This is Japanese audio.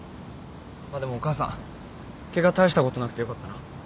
まあでもお母さんケガ大したことなくてよかったな。